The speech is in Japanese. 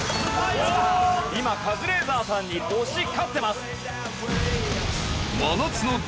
今カズレーザーさんに押し勝ってます。